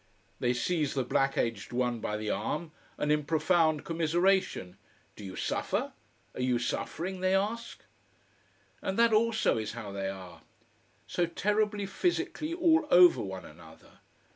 They seize the black edged one by the arm, and in profound commiseration: "Do you suffer? Are you suffering?" they ask. And that also is how they are. So terribly physically all over one another.